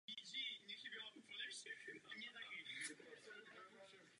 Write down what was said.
Dnes se jedná o nejrozsáhlejší komplex tohoto typu v Česku.